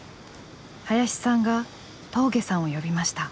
林さんが峠さんを呼びました。